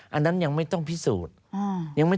อันนั้นยังไม่ต้องพิสูจน์